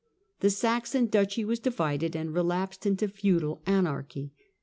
The Saxon duchy was divided, and relapsed into feudal anarchy.